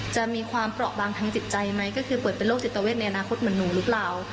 จะมีความเปราะบางทางจิตใจไหมก็คือเปิดเป็นโรคจิตเวทในอนาคตเหมือนหนูหรือเปล่า